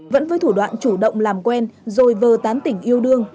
vẫn với thủ đoạn chủ động làm quen rồi vờ tán tỉnh yêu đương